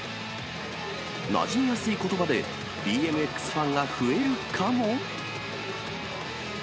なじみやすいことばで、ＢＭＸファンが増えるかも？